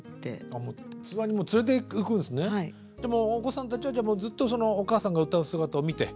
お子さんたちはじゃあもうずっとそのお母さんが歌う姿を見て。